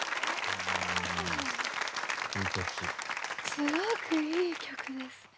すごくいい曲ですね。